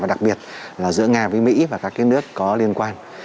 đặc biệt là giữa nga với mỹ và các nước có liên quan